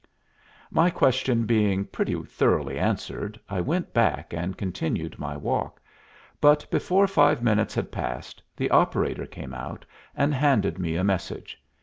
My question being pretty thoroughly answered, I went back and continued my walk; but before five minutes had passed, the operator came out, and handed me a message.